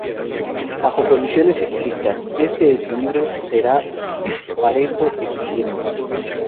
Bajo condiciones estrictas, este equilibrio será Pareto eficiente.